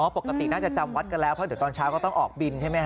ปกติน่าจะจำวัดกันแล้วเพราะเดี๋ยวตอนเช้าก็ต้องออกบินใช่ไหมฮ